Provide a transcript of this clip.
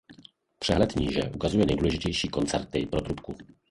Přehled níže ukazuje nejdůležitější koncerty pro trubku.